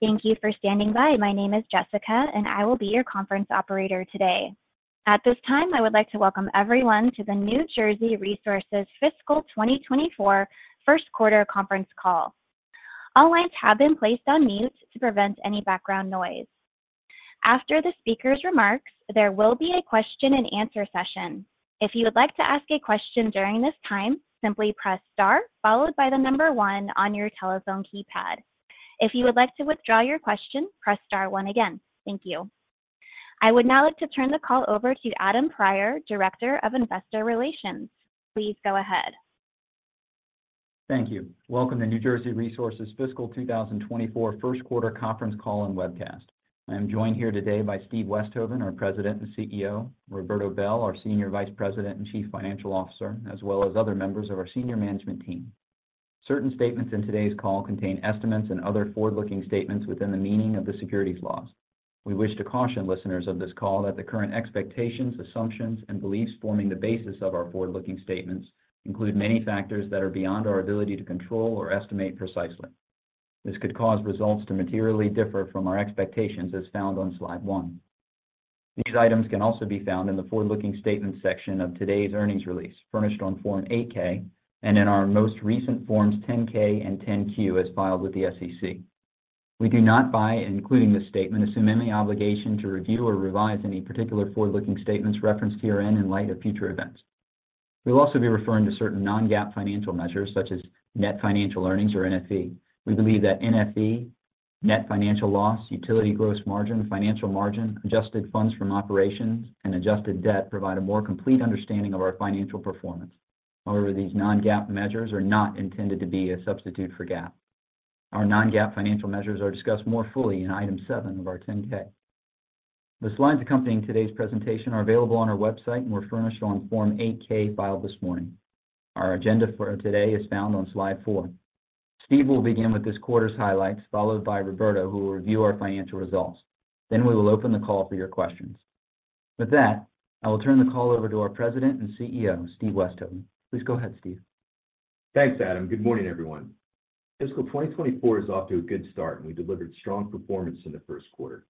Thank you for standing by. My name is Jessica, and I will be your conference operator today. At this time, I would like to welcome everyone to the New Jersey Resources Fiscal 2024 Q1 Conference Call. All lines have been placed on mute to prevent any background noise. After the speaker's remarks, there will be a question and answer session. If you would like to ask a question during this time, simply press star, followed by the number one on your telephone keypad. If you would like to withdraw your question, press star one again. Thank you. I would now like to turn the call over to Adam Prior, Director of Investor Relations. Please go ahead. Thank you. Welcome to New Jersey Resources Fiscal 2024 Q1 conference call and webcast. I am joined here today by Steve Westhoven, our President and CEO, Roberto Bel, our Senior Vice President and Chief Financial Officer, as well as other members of our senior management team. Certain statements in today's call contain estimates and other forward-looking statements within the meaning of the securities laws. We wish to caution listeners of this call that the current expectations, assumptions, and beliefs forming the basis of our forward-looking statements include many factors that are beyond our ability to control or estimate precisely. This could cause results to materially differ from our expectations, as found on slide one. These items can also be found in the forward-looking statement section of today's earnings release, furnished on Form 8-K, and in our most recent Forms 10-K and 10-Q, as filed with the SEC. We do not, by including this statement, assume any obligation to review or revise any particular forward-looking statements referenced herein in light of future events. We'll also be referring to certain non-GAAP financial measures, such as Net Financial Earnings or NFE. We believe that NFE, Net Financial Loss, Utility Gross Margin, Financial Margin, Adjusted Funds From Operations, and Adjusted Debt provide a more complete understanding of our financial performance. However, these non-GAAP measures are not intended to be a substitute for GAAP. Our non-GAAP financial measures are discussed more fully in Item 7 of our 10-K. The slides accompanying today's presentation are available on our website and were furnished on Form 8-K filed this morning. Our agenda for today is found on slide 4. Steve will begin with this quarter's highlights, followed by Roberto, who will review our financial results. Then we will open the call for your questions. With that, I will turn the call over to our President and CEO, Steve Westhoven. Please go ahead, Steve. Thanks, Adam. Good morning, everyone. Fiscal 2024 is off to a good start, and we delivered strong performance in the Q1.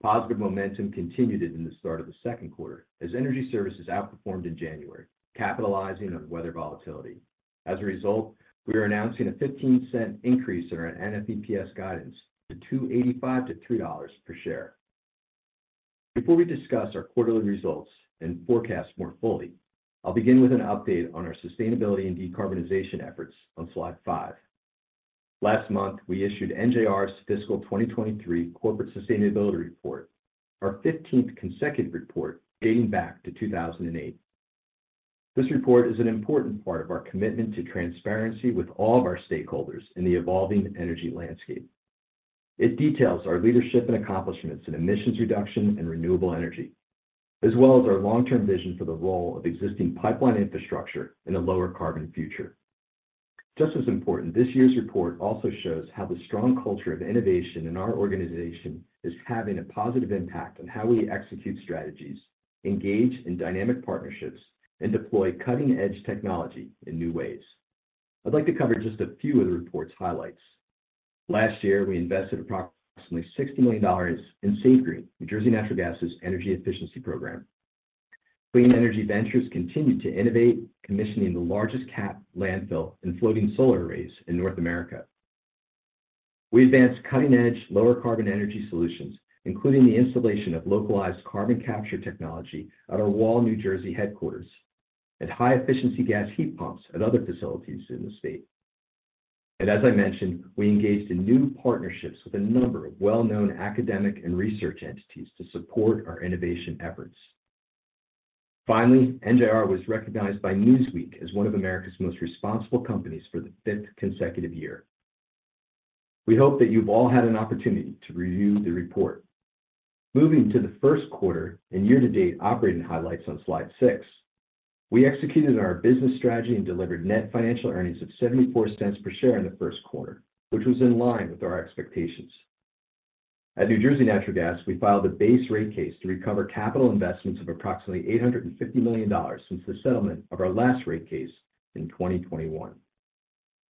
Positive momentum continued in the start of the Q2 as Energy Services outperformed in January, capitalizing on weather volatility. As a result, we are announcing a 15-cent increase in our NFEPS guidance to $2.85-$3 per share. Before we discuss our quarterly results and forecast more fully, I'll begin with an update on our sustainability and decarbonization efforts on slide 5. Last month, we issued NJR's Fiscal 2023 Corporate Sustainability Report, our 15th consecutive report dating back to 2008. This report is an important part of our commitment to transparency with all of our stakeholders in the evolving energy landscape. It details our leadership and accomplishments in emissions reduction and renewable energy, as well as our long-term vision for the role of existing pipeline infrastructure in a lower carbon future. Just as important, this year's report also shows how the strong culture of innovation in our organization is having a positive impact on how we execute strategies, engage in dynamic partnerships, and deploy cutting-edge technology in new ways. I'd like to cover just a few of the report's highlights. Last year, we invested approximately $60 million in SAVEGREEN, New Jersey Natural Gas's energy efficiency program. Clean Energy Ventures continued to innovate, commissioning the largest capped landfill and floating solar arrays in North America. We advanced cutting-edge, lower carbon energy solutions, including the installation of localized carbon capture technology at our Wall, New Jersey headquarters and high-efficiency gas heat pumps at other facilities in the state. As I mentioned, we engaged in new partnerships with a number of well-known academic and research entities to support our innovation efforts. Finally, NJR was recognized by Newsweek as one of America's most responsible companies for the fifth consecutive year. We hope that you've all had an opportunity to review the report. Moving to the Q1 and year-to-date operating highlights on slide 6, we executed our business strategy and delivered net financial earnings of $0.74 per share in the Q1, which was in line with our expectations. At New Jersey Natural Gas, we filed a base rate case to recover capital investments of approximately $850 million since the settlement of our last rate case in 2021.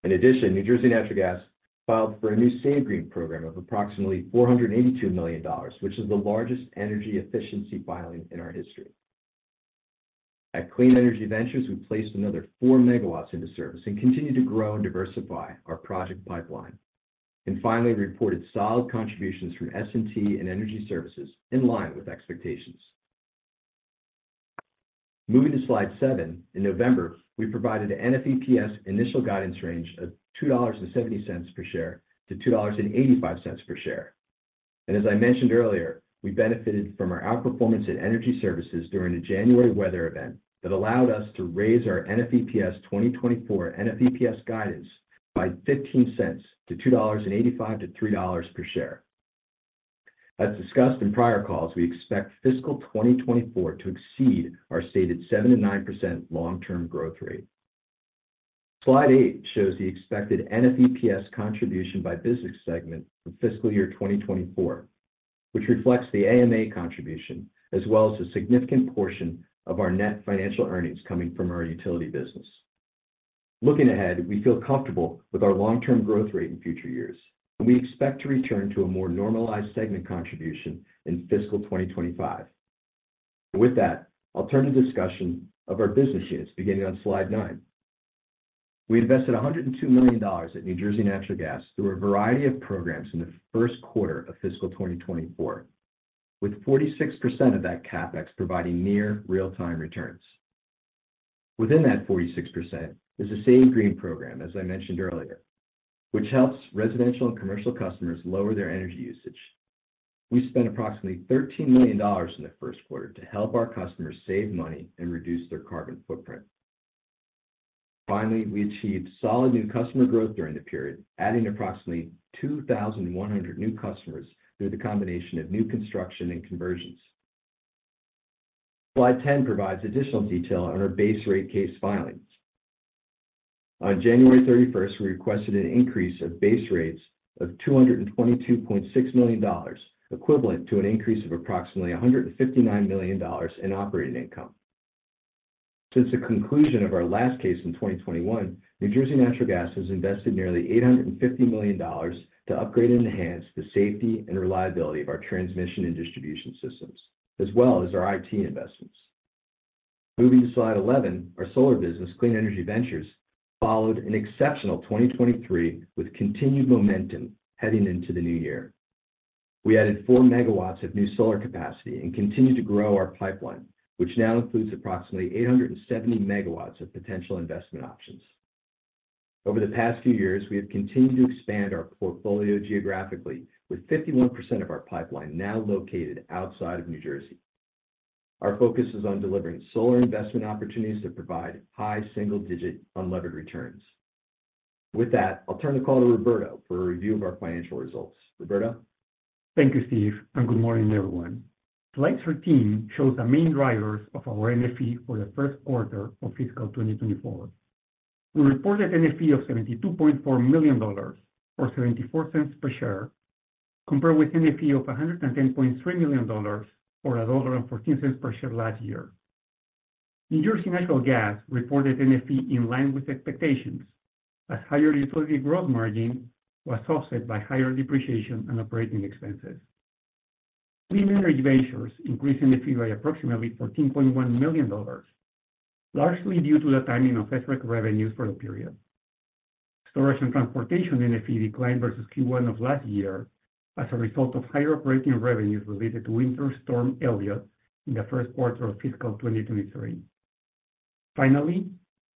In addition, New Jersey Natural Gas filed for a new SAVEGREEN program of approximately $482 million, which is the largest energy efficiency filing in our history. At Clean Energy Ventures, we placed another 4 MW into service and continued to grow and diversify our project pipeline. Finally, we reported solid contributions from S&T and Energy Services in line with expectations. Moving to slide 7, in November, we provided an NFEPS initial guidance range of $2.70-$2.85 per share. As I mentioned earlier, we benefited from our outperformance in Energy Services during a January weather event that allowed us to raise our NFEPS 2024 NFEPS guidance by $0.15 to $2.85-$3.00 per share. As discussed in prior calls, we expect fiscal 2024 to exceed our stated 7%-9% long-term growth rate. Slide 8 shows the expected NFEPS contribution by business segment for fiscal year 2024, which reflects the AMA contribution, as well as a significant portion of our net financial earnings coming from our utility business. Looking ahead, we feel comfortable with our long-term growth rate in future years, and we expect to return to a more normalized segment contribution in fiscal 2025. With that, I'll turn to discussion of our business units, beginning on slide 9. We invested $102 million at New Jersey Natural Gas through a variety of programs in the Q1 of fiscal 2024, with 46% of that CapEx providing near real-time returns. Within that 46% is the SAVEGREEN program, as I mentioned earlier, which helps residential and commercial customers lower their energy usage. We spent approximately $13 million in the Q1 to help our customers save money and reduce their carbon footprint. Finally, we achieved solid new customer growth during the period, adding approximately 2,100 new customers through the combination of new construction and conversions. Slide 10 provides additional detail on our base rate case filings. On January 31st, we requested an increase of base rates of $222.6 million, equivalent to an increase of approximately $159 million in operating income. Since the conclusion of our last case in 2021, New Jersey Natural Gas has invested nearly $850 million to upgrade and enhance the safety and reliability of our transmission and distribution systems, as well as our IT investments. Moving to slide 11, our solar business, Clean Energy Ventures, followed an exceptional 2023, with continued momentum heading into the new year. We added 4 MW of new solar capacity and continued to grow our pipeline, which now includes approximately 870 MW of potential investment options. Over the past few years, we have continued to expand our portfolio geographically, with 51% of our pipeline now located outside of New Jersey. Our focus is on delivering solar investment opportunities that provide high single-digit unlevered returns. With that, I'll turn the call to Roberto for a review of our financial results. Roberto? Thank you, Steve, and good morning, everyone. Slide 13 shows the main drivers of our NFE for the Q1 of fiscal 2024. We reported NFE of $72.4 million, or $0.74 per share, compared with NFE of $110.3 million, or $1.14 per share last year. New Jersey Natural Gas reported NFE in line with expectations. A higher Utility Gross Margin was offset by higher depreciation and operating expenses. Clean Energy Ventures increased NFE by approximately $14.1 million, largely due to the timing of revenues for the period. Storage and Transportation NFE declined versus Q1 of last year as a result of higher operating revenues related to Winter Storm Elliott in the Q1 of fiscal 2023. Finally,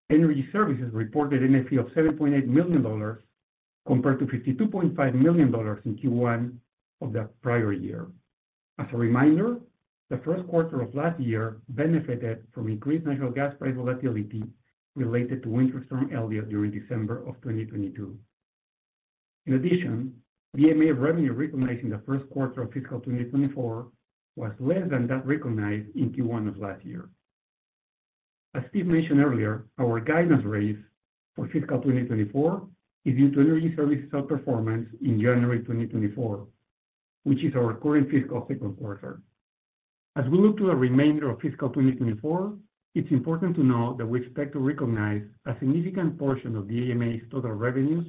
Energy Services reported NFE of $7.8 million, compared to $52.5 million in Q1 of the prior year. As a reminder, the Q1 of last year benefited from increased natural gas price volatility related to Winter Storm Elliott during December of 2022. In addition, AMA revenue recognized in the Q1 of fiscal 2024 was less than that recognized in Q1 of last year. As Steve mentioned earlier, our guidance raise for fiscal 2024 is due to Energy Services' performance in January 2024, which is our current fiscal Q2. As we look to the remainder of fiscal 2024, it's important to note that we expect to recognize a significant portion of the AMA's total revenues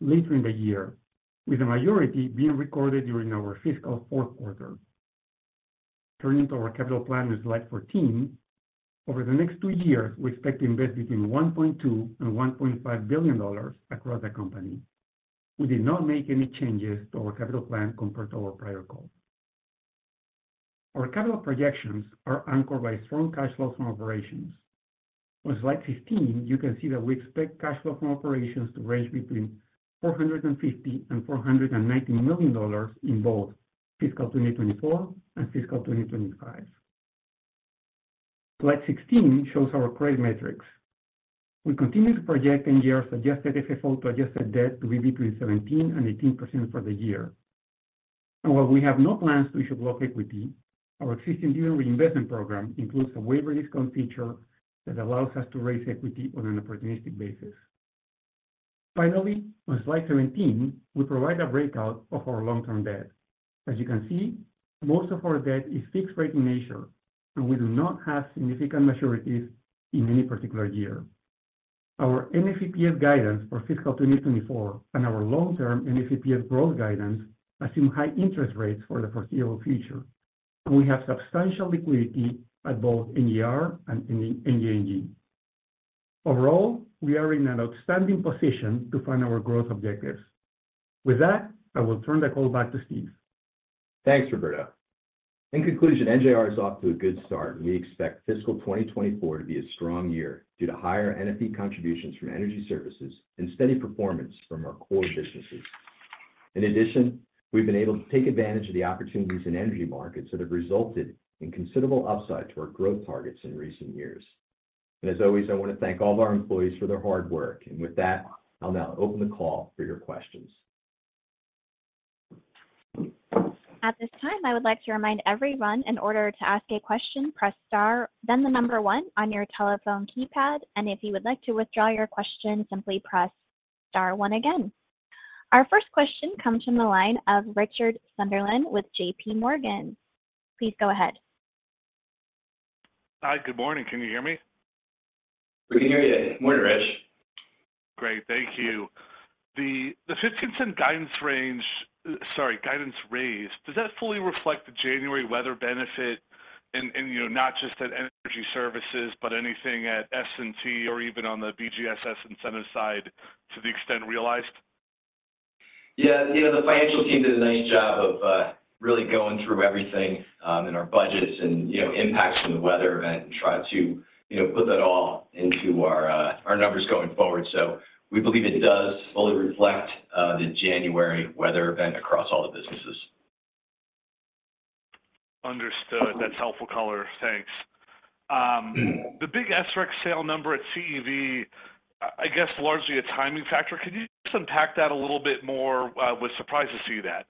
later in the year, with the majority being recorded during our fiscal Q4. Turning to our capital plan in slide 14, over the next two years, we expect to invest between $1.2 billion and $1.5 billion across the company. We did not make any changes to our capital plan compared to our prior call. Our capital projections are anchored by strong cash flows from operations. On slide 15, you can see that we expect cash flow from operations to range between $450 million and $490 million in both fiscal 2024 and fiscal 2025. Slide 16 shows our credit metrics. We continue to project AFFO to Adjusted Debt to be between 17% and 18% for the year. And while we have no plans to issue block equity, our existing dividend reinvestment program includes a waiver discount feature that allows us to raise equity on an opportunistic basis. Finally, on slide 17, we provide a breakout of our long-term debt. As you can see, most of our debt is fixed rate in nature, and we do not have significant maturities in any particular year. Our NFEPS guidance for fiscal 2024 and our long-term NFEPS growth guidance assume high interest rates for the foreseeable future, and we have substantial liquidity at both NJR and NJNG. Overall, we are in an outstanding position to fund our growth objectives. With that, I will turn the call back to Steve. Thanks, Roberto. In conclusion, NJR is off to a good start, and we expect fiscal 2024 to be a strong year due to higher NFE contributions from Energy Services and steady performance from our core businesses. In addition, we've been able to take advantage of the opportunities in energy markets that have resulted in considerable upside to our growth targets in recent years. And as always, I want to thank all of our employees for their hard work. And with that, I'll now open the call for your questions. At this time, I would like to remind everyone, in order to ask a question, press star, then the number one on your telephone keypad, and if you would like to withdraw your question, simply press star one again. Our first question comes from the line of Richard Sunderland with JPMorgan. Please go ahead.... Hi, good morning. Can you hear me? We can hear you. Morning, Rich. Great. Thank you. The $0.15 guidance range, sorry, guidance raise, does that fully reflect the January weather benefit in, you know, not just at Energy Services, but anything at S&T or even on the BGSS incentive side to the extent realized? Yeah. You know, the financial team did a nice job of really going through everything in our budgets and, you know, impacts from the weather event and try to, you know, put that all into our our numbers going forward. So we believe it does fully reflect the January weather event across all the businesses. Understood. That's helpful color. Thanks. The big SREC sale number at CEV, I guess, largely a timing factor. Could you just unpack that a little bit more? Was surprised to see that.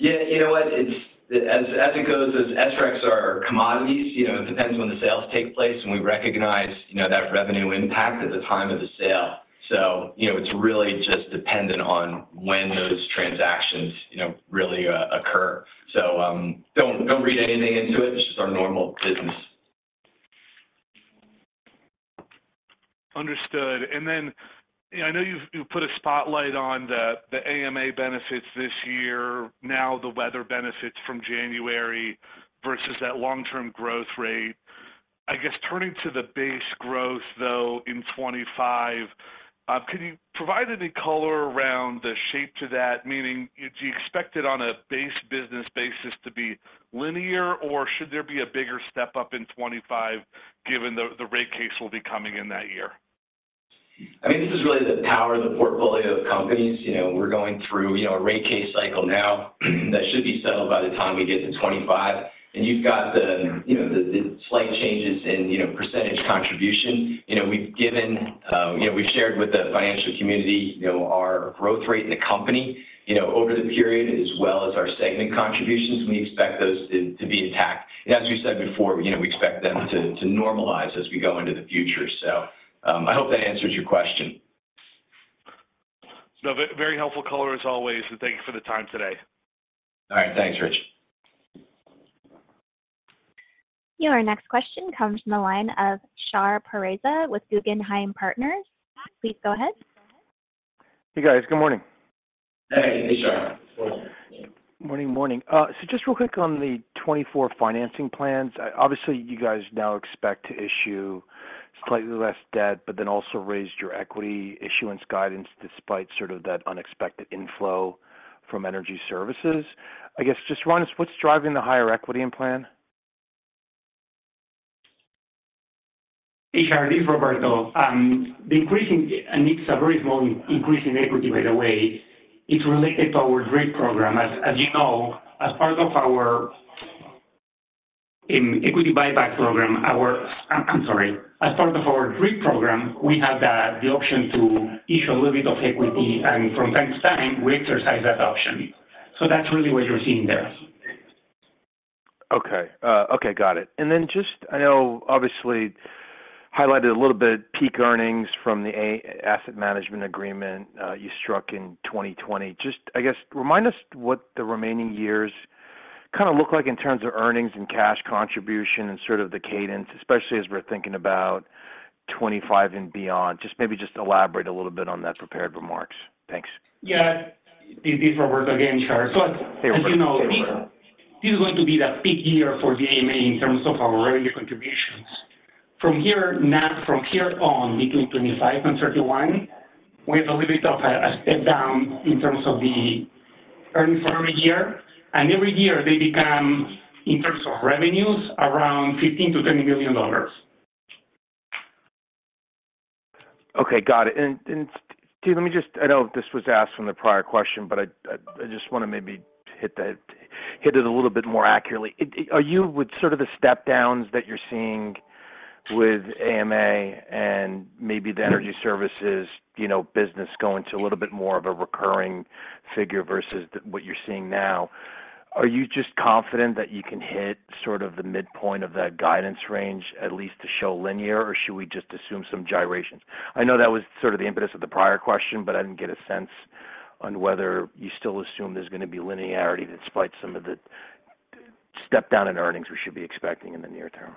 Yeah, you know what? It's as it goes, as SRECs are commodities, you know, it depends when the sales take place, and we recognize, you know, that revenue impact at the time of the sale. So, you know, it's really just dependent on when those transactions, you know, really occur. So, don't read anything into it. It's just our normal business. Understood. And then, I know you've, you've put a spotlight on the, the AMA benefits this year, now the weather benefits from January versus that long-term growth rate. I guess turning to the base growth, though, in 2025, can you provide any color around the shape to that? Meaning, do you expect it on a base business basis to be linear, or should there be a bigger step up in 2025, given the, the rate case will be coming in that year? I mean, this is really the power of the portfolio of companies. You know, we're going through, you know, a rate case cycle now that should be settled by the time we get to 25. And you've got the slight changes in, you know, percentage contribution. You know, we've given, you know, we've shared with the financial community, you know, our growth rate in the company, you know, over the period, as well as our segment contributions, and we expect those to be intact. And as you said before, you know, we expect them to normalize as we go into the future. So, I hope that answers your question. No, very helpful color, as always, and thank you for the time today. All right. Thanks, Rich. Your next question comes from the line of Shahriar Pourreza with Guggenheim Partners. Please go ahead. Hey, guys. Good morning. Hey, hey, Char. Good morning. Morning, morning. So just real quick on the 2024 financing plans. Obviously, you guys now expect to issue slightly less debt, but then also raised your equity issuance guidance despite sort of that unexpected inflow from Energy Services. I guess, just remind us, what's driving the higher equity in plan? Hey, Char, this is Roberto. The increase in—and it's a very small increase in equity, by the way—it's related to our DRIP program. As you know, as part of our DRIP program, we have the option to issue a little bit of equity, and from time to time, we exercise that option. So that's really what you're seeing there. Okay. Okay, got it. And then just, I know obviously highlighted a little bit peak earnings from the AMA, asset management agreement, you struck in 2020. Just, I guess, remind us what the remaining years kind of look like in terms of earnings and cash contribution and sort of the cadence, especially as we're thinking about 25 and beyond. Just maybe just elaborate a little bit on that prepared remarks. Thanks. Yeah, this is Roberto again, Char. So as you know, this is going to be the peak year for the AMA in terms of our revenue contributions. From here, now, from here on, between 2025 and 2031, we have a little bit of a, a step down in terms of the earnings for every year, and every year they become, in terms of revenues, around $15 million-$20 million. Okay, got it. And let me just—I know this was asked from the prior question, but I just want to maybe hit that, hit it a little bit more accurately. Are you with sort of the step downs that you're seeing with AMA and maybe the Energy Services, you know, business going to a little bit more of a recurring figure versus the, what you're seeing now? Are you just confident that you can hit sort of the midpoint of that guidance range, at least to show linear, or should we just assume some gyrations? I know that was sort of the impetus of the prior question, but I didn't get a sense on whether you still assume there's going to be linearity despite some of the step down in earnings we should be expecting in the near term.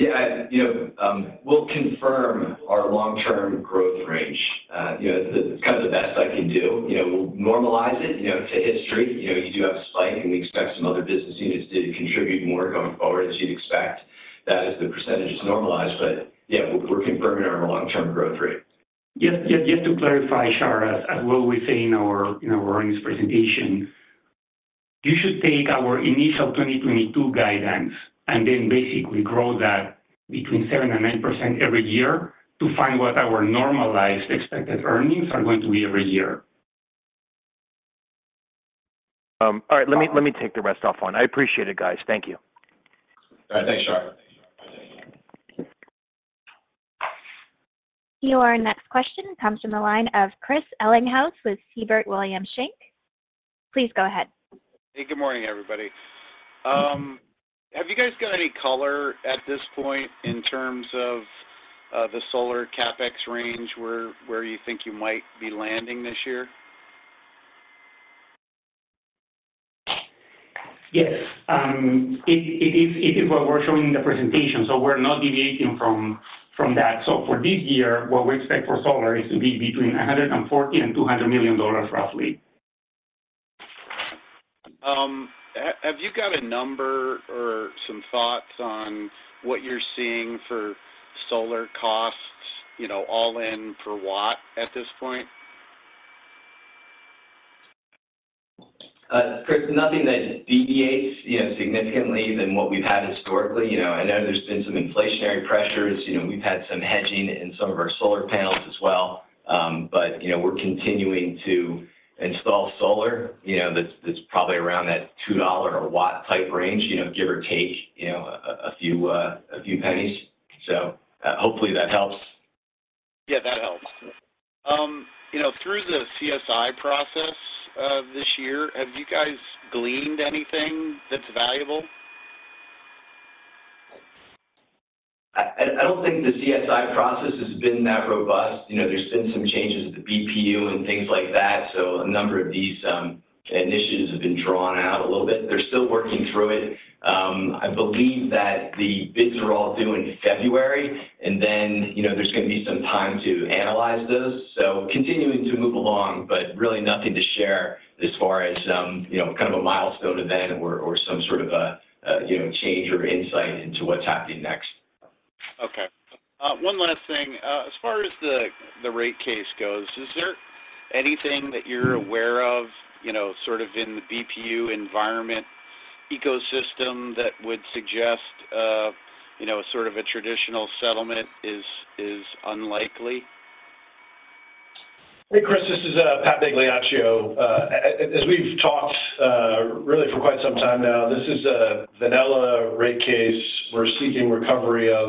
Yeah, you know, we'll confirm our long-term growth range. You know, it's kind of the best I can do. You know, we'll normalize it, you know, to history. You know, you do have a spike, and we expect some other business units to contribute more going forward, as you'd expect, that as the percentages normalize. But yeah, we're confirming our long-term growth rate. Yes, yeah, just to clarify, Char, as well we say in our earnings presentation, you should take our initial 2022 guidance and then basically grow that between 7% and 9% every year to find what our normalized expected earnings are going to be every year. All right, let me take the rest off on. I appreciate it, guys. Thank you. Thanks, Char. Your next question comes from the line of Chris Ellinghaus with Siebert Williams Shank. Please go ahead. Hey, good morning, everybody. Have you guys got any color at this point in terms of the solar CapEx range, where, where you think you might be landing this year?... Yes, it is what we're showing in the presentation, so we're not deviating from that. So for this year, what we expect for solar is to be between $140 million and $200 million roughly. Have you got a number or some thoughts on what you're seeing for solar costs, you know, all in per watt at this point? Chris, nothing that deviates, you know, significantly than what we've had historically. You know, I know there's been some inflationary pressures. You know, we've had some hedging in some of our solar panels as well. But, you know, we're continuing to install solar, you know, that's probably around that $2 a watt type range, you know, give or take, you know, a few pennies. So, hopefully that helps. Yeah, that helps. You know, through the CSI process, this year, have you guys gleaned anything that's valuable? I don't think the CSI process has been that robust. You know, there's been some changes at the BPU and things like that, so a number of these initiatives have been drawn out a little bit. They're still working through it. I believe that the bids are all due in February, and then, you know, there's gonna be some time to analyze those. So continuing to move along, but really nothing to share as far as, you know, kind of a milestone event or some sort of a change or insight into what's happening next. Okay. One last thing. As far as the rate case goes, is there anything that you're aware of, you know, sort of in the BPU environment ecosystem that would suggest, you know, sort of a traditional settlement is unlikely? Hey, Chris, this is Pat Migliaccio. As we've talked really for quite some time now, this is a vanilla rate case. We're seeking recovery of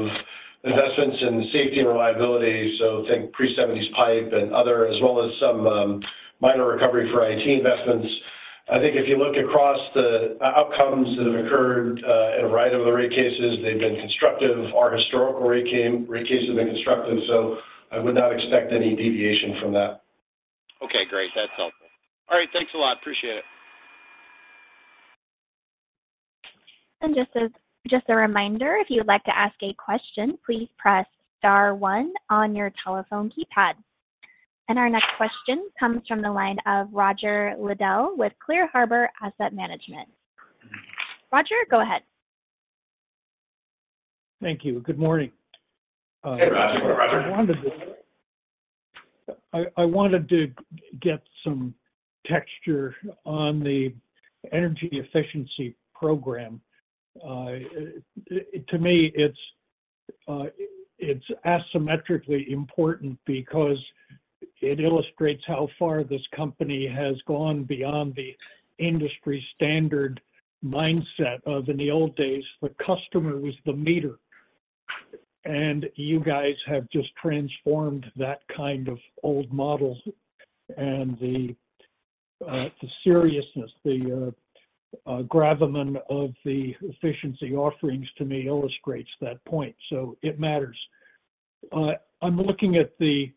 investments in safety and reliability, so think pre-seventies pipe and other, as well as some minor recovery for IT investments. I think if you look across the outcomes that have occurred at a variety of the rate cases, they've been constructive. Our historical rate cases have been constructive, so I would not expect any deviation from that. Okay, great. That's helpful. All right, thanks a lot. Appreciate it. And just a reminder, if you would like to ask a question, please press star one on your telephone keypad. And our next question comes from the line of Roger Liddell with Clear Harbor Asset Management. Roger, go ahead. Thank you. Good morning. Hey, Roger. I wanted to get some texture on the energy efficiency program. To me, it's asymmetrically important because it illustrates how far this company has gone beyond the industry standard mindset of, in the old days, the customer was the meter. And you guys have just transformed that kind of old model, and the seriousness, the gravamen of the efficiency offerings to me illustrates that point, so it matters. I'm looking at the,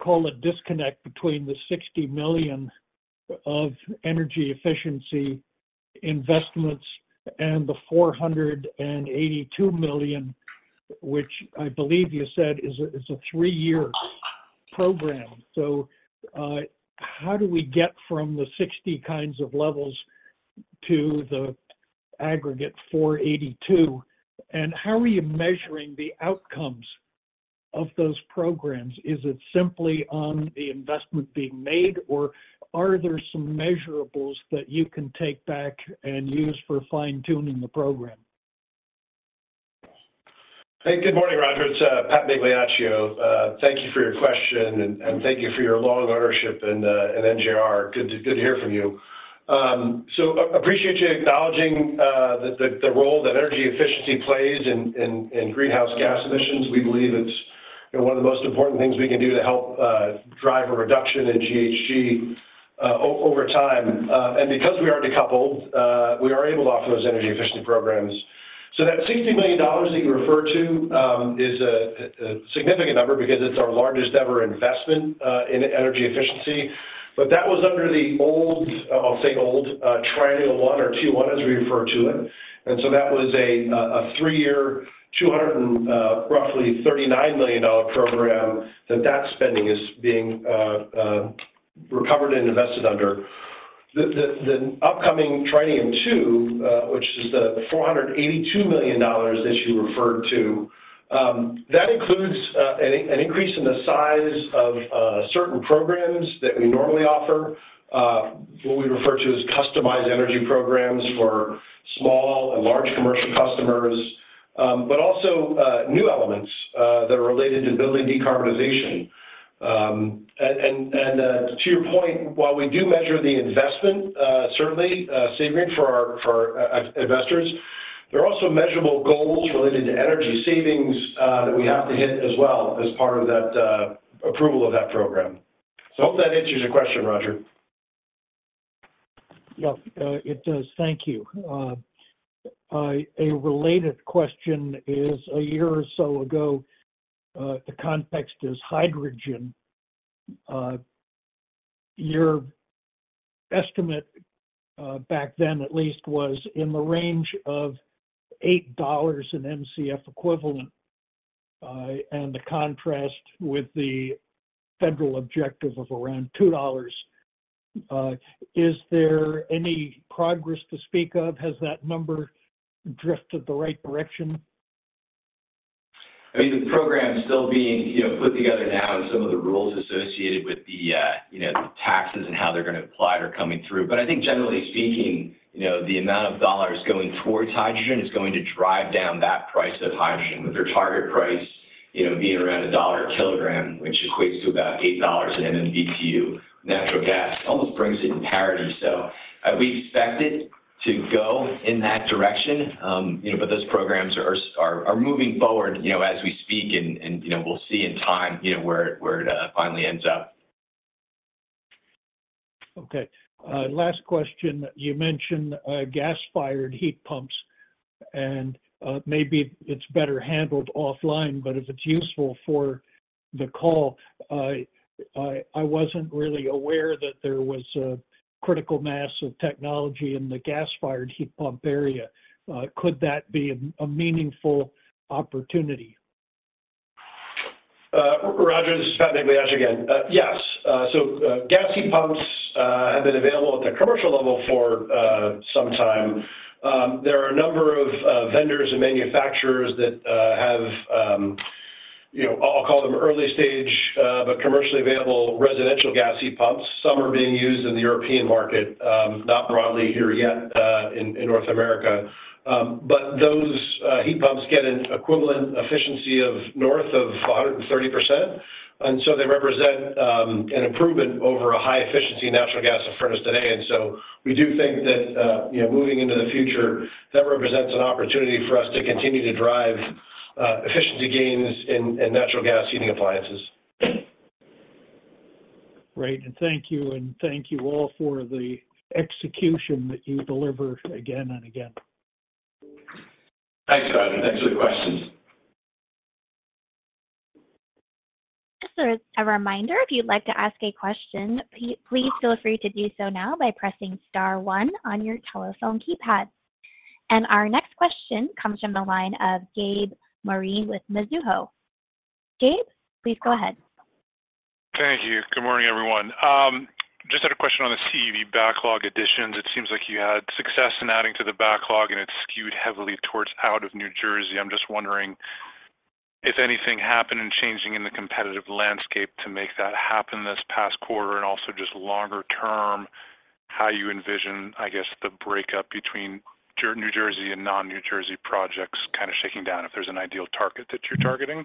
call it, disconnect between the $60 million of energy efficiency investments and the $482 million, which I believe you said is a three-year program. So, how do we get from the $60 kinds of levels to the aggregate $482? And how are you measuring the outcomes of those programs? Is it simply on the investment being made, or are there some measurables that you can take back and use for fine-tuning the program? Hey, good morning, Roger. It's Pat Migliaccio. Thank you for your question, and thank you for your long ownership in NJR. Good to hear from you. So appreciate you acknowledging the role that energy efficiency plays in greenhouse gas emissions. We believe it's, you know, one of the most important things we can do to help drive a reduction in GHG over time. And because we are decoupled, we are able to offer those energy efficiency programs. So that $60 million that you referred to is a significant number because it's our largest ever investment in energy efficiency, but that was under the old, I'll say, old Triennium 1 or 2, as we refer to it. And so that was a three-year, roughly $239 million-dollar program that that spending is being recovered and invested under. The upcoming Triennium 2, which is the $482 million issue you referred to, that includes an increase in the size of certain programs that we normally offer, what we refer to as customized energy programs for small and large commercial customers, but also new elements that are related to building decarbonization. And to your point, while we do measure the investment certainly savings for our investors, there are also measurable goals related to energy savings that we have to hit as well as part of that approval of that program. I hope that answers your question, Roger. Yes, it does. Thank you. A related question is, a year or so ago, the context is hydrogen. Your estimate, back then at least, was in the range of $8 in MCF equivalent, and the contrast with the federal objective of around $2. Is there any progress to speak of? Has that number drifted the right direction? I mean, the program is still being, you know, put together now, and some of the rules associated with the, you know, the taxes and how they're going to apply are coming through. But I think generally speaking, you know, the amount of dollars going towards hydrogen is going to drive down that price of hydrogen. With their target price, you know, being around $1 a kilogram, which equates to about $8 in MMBtu, natural gas almost brings it in parity. So, we expect it to go in that direction, you know, but those programs are moving forward, you know, as we speak, and, you know, we'll see in time, you know, where it finally ends up. Okay. Last question. You mentioned gas-fired heat pumps, and maybe it's better handled offline, but if it's useful for the call, I wasn't really aware that there was a critical mass of technology in the gas-fired heat pump area. Could that be a meaningful opportunity? Roger, this is Pat Migliaccio again. Yes, so gas heat pumps have been available at the commercial level for some time. There are a number of vendors and manufacturers that have, you know, I'll call them early stage, but commercially available residential gas heat pumps. Some are being used in the European market, not broadly here yet, in North America. But those heat pumps get an equivalent efficiency of north of 130%, and so they represent an improvement over a high-efficiency natural gas furnace today. And so we do think that, you know, moving into the future, that represents an opportunity for us to continue to drive efficiency gains in natural gas heating appliances. Great, and thank you, and thank you all for the execution that you deliver again and again. Thanks, Roger. Thanks for the questions. Just as a reminder, if you'd like to ask a question, please feel free to do so now by pressing star one on your telephone keypad. And our next question comes from the line of Gabriel Moreen with Mizuho. Gabe, please go ahead. Thank you. Good morning, everyone. Just had a question on the CEV backlog additions. It seems like you had success in adding to the backlog, and it's skewed heavily towards out of New Jersey. I'm just wondering if anything happened in changing in the competitive landscape to make that happen this past quarter, and also just longer term, how you envision, I guess, the breakup between New Jersey and non-New Jersey projects kind of shaking down, if there's an ideal target that you're targeting?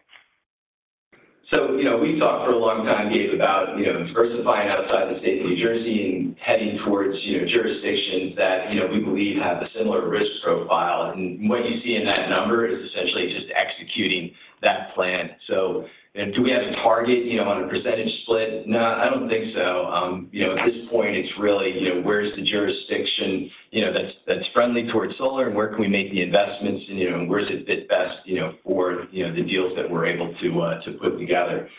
So, you know, we thought for a long time, Gabe, about, you know, diversifying outside the state of New Jersey and heading towards, you know, jurisdictions that, you know, we believe have a similar risk profile. And what you see in that number is essentially just executing that plan. So, and do we have a target, you know, on a percentage split? No, I don't think so. You know, at this point, it's really, you know, where's the jurisdiction, you know, that's friendly towards solar, and where can we make the investments, and, you know, and where does it fit best, you know, for, you know, the deals that we're able to to put together?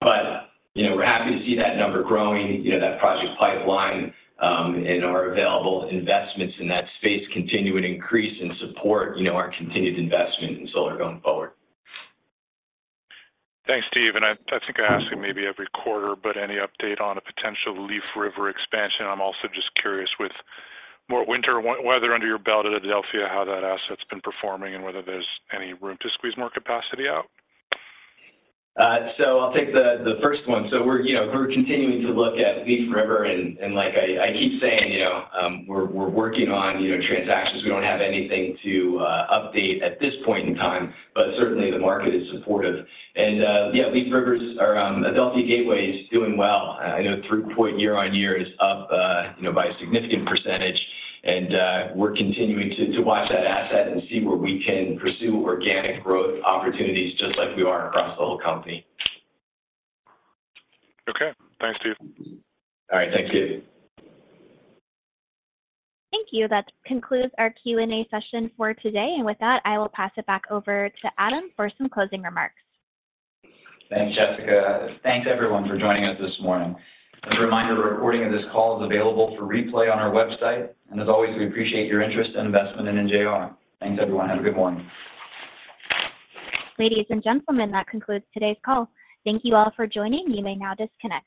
But, you know, we're happy to see that number growing, you know, that project pipeline, and our available investments in that space continue to increase and support, you know, our continued investment in solar going forward. Thanks, Steve, and I think I ask it maybe every quarter, but any update on a potential Leaf River expansion? I'm also just curious with more winter weather under your belt at Adelphia, how that asset's been performing and whether there's any room to squeeze more capacity out? So I'll take the first one. So we're, you know, we're continuing to look at Leaf River, and like I keep saying, you know, we're working on, you know, transactions. We don't have anything to update at this point in time, but certainly the market is supportive. And yeah, Leaf River or Adelphia Gateway is doing well. I know throughput year-over-year is up, you know, by a significant percentage, and we're continuing to watch that asset and see where we can pursue organic growth opportunities just like we are across the whole company. Okay. Thanks, Steve. All right. Thank you. Thank you. That concludes our Q&A session for today, and with that, I will pass it back over to Adam for some closing remarks. Thanks, Jessica. Thanks, everyone, for joining us this morning. As a reminder, a recording of this call is available for replay on our website, and as always, we appreciate your interest and investment in NJR. Thanks, everyone. Have a good one. Ladies and gentlemen, that concludes today's call. Thank you all for joining. You may now disconnect.